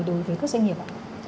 đối với các doanh nghiệp ạ